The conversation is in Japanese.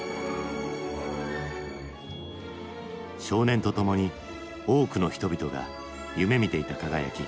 少年とともに多くの人々が夢みていた輝き。